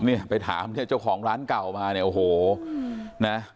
เนี่ยไปถามเนี่ยเจ้าของร้านเก่ามาเนี่ยโอ้โหนะ